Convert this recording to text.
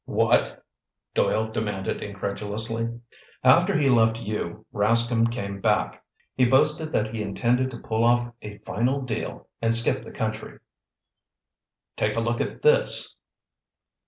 "What?" Doyle demanded incredulously. "After he left you, Rascomb came back. He boasted that he intended to pull off a final deal and skip the country. Take a look at this!"